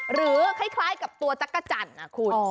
หรือคล้ายกับตัวจักรจันทร์นะคุณ